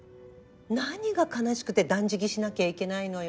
何が悲しくて断食しなきゃいけないのよ。